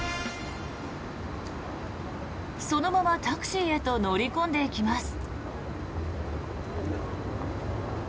そのままタクシーへと乗り込んでいきます。